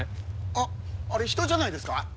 あっあれ人じゃないですか？